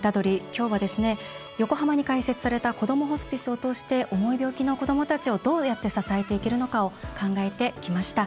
きょうは、横浜に開設したこどもホスピスを通して重い病気の子どもたちをどうやって支えていけるのかを考えてきました。